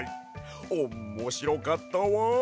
おんもしろかったわ！